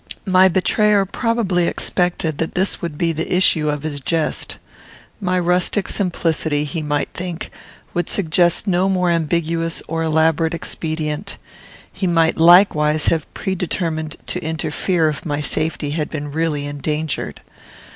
My betrayer probably expected that this would be the issue of his jest. My rustic simplicity, he might think, would suggest no more ambiguous or elaborate expedient. He might likewise have predetermined to interfere if my safety had been really endangered.